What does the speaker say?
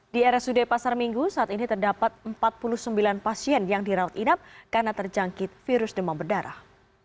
di rsud pasar minggu saat ini terdapat empat puluh sembilan pasien yang dirawat inap karena terjangkit virus demam berdarah